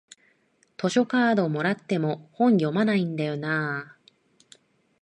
図書カードもらっても本読まないんだよなあ